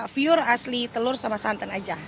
pure asli telur sama santan aja